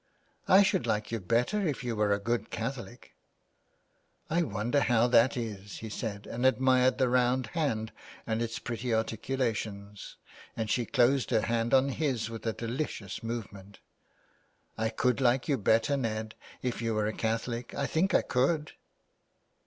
'*" I should like you better if you were a good Catholic." " I wonder how that is ?" he said, and he admired the round hand and its pretty articulations, and she closed her hand on his with a delicious movement. ''I could like you better, Ned, if you were a Catholic. .. I think I could."